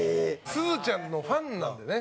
すずちゃんのファンなんだよね